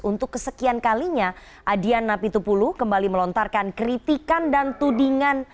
untuk kesekian kalinya adian napitupulu kembali melontarkan kritikan dan tudingan